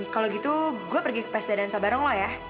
kalau gitu gue pergi ke pesta dansa bareng lo ya